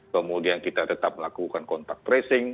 kemudian kita tetap melakukan kontak tracing